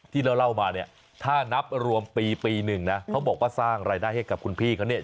ที่เราเล่ามาเนี่ยถ้านับรวมปีปีหนึ่งนะเขาบอกว่าสร้างรายได้ให้กับคุณพี่เขาเนี่ย